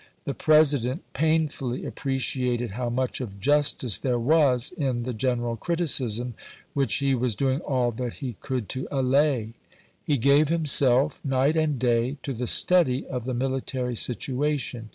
The President painfully appreciated how much of justice there was in the general criticism, which he was doing aU that he could to allay. He gave himself, night and day, to the study of the military situation.